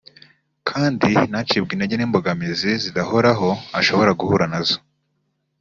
kandi ntacibwe intege n’imbogamizi zidahoraho ashobora guhura nazo